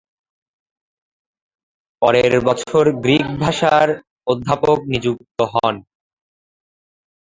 পরের বছর গ্রিক ভাষার অধ্যাপক নিযুক্ত হন।